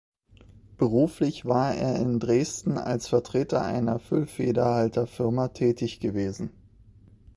Beruflich war er in Dresden als Vertreter einer Füllfederhalter-Firma tätig gewesen.